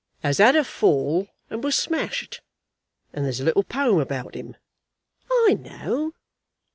"As had a fall, and was smashed, and there's a little poem about him." "I know."